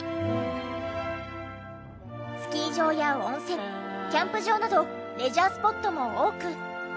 スキー場や温泉キャンプ場などレジャースポットも多く。